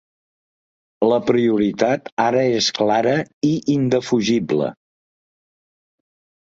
La prioritat ara és clara i indefugible.